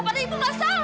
padahal ibu gak salah